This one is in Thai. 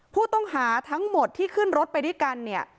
ผู้ต้องหาทั้งหมดที่ขึ้นรถไปด้วยกันเนี่ย